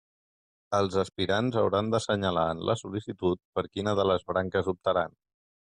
Els aspirants hauran d'assenyalar en la sol·licitud per quina de les branques optaran.